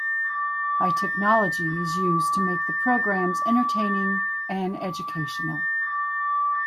High technology is used to make the programs entertaining and educational.